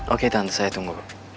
oke tante saya tunggu